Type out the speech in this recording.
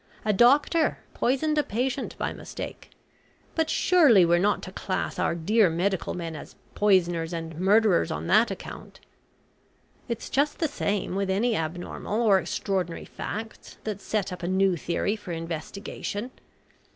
A doctor poisoned a patient by mistake, but surely we're not to class our dear medical men as poisoners and murderers on that account. It's just the same with any abnormal or extraordinary facts that set up a new theory for investigation.